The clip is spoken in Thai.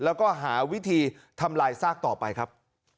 แล้วก็หาวิธีทำลายซากต่อไปครับ